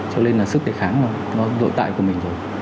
cho nên là sức đề kháng nó nội tại của mình rồi